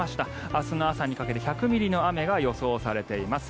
明日の朝にかけて１００ミリの雨が予想されています。